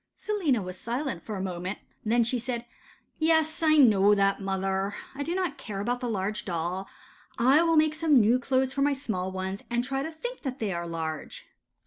Selina was silent for a moment, then she said,— 'Yes, I know that. Mother, I do not care about the large doll. I will make some new clothes for my small ones, and try to think that they are large.